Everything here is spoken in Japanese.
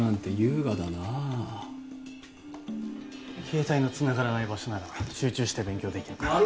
携帯のつながらない場所なら集中して勉強できるから。